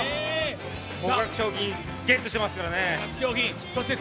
豪華賞金ゲットしてますからね。